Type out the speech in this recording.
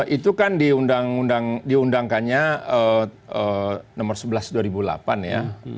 itu kan diundangkannya nomor sebelas dua ribu delapan ya